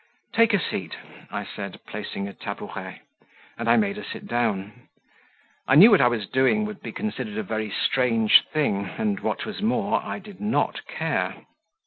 "Take a seat," I said, placing a tabouret; and I made her sit down. I knew what I was doing would be considered a very strange thing, and, what was more, I did not care.